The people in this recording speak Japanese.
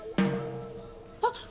あっ！